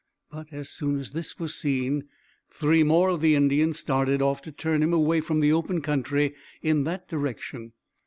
But as soon as this was seen, three more of the Indians started off to turn him away from the open country in that direction.